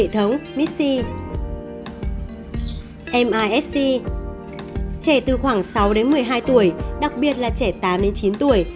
trẻ từ khoảng sáu một mươi hai tuổi đặc biệt là trẻ tám chín tuổi